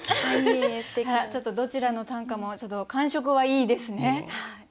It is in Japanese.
あらちょっとどちらの短歌も感触はいいですね。